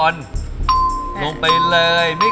นี่นะ